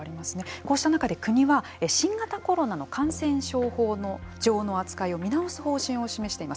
こうした中で国は新型コロナの感染症法上の扱いを見直す方針を示しています。